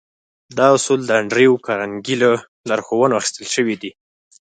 دا اصول د انډريو کارنګي له لارښوونو اخيستل شوي دي.